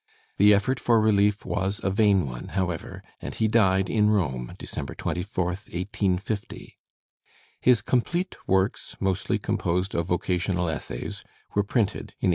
The effort for relief was a vain one, however, and he died in Rome December 24th, 1850. His complete works, mostly composed of occasional essays, were printed in 1855.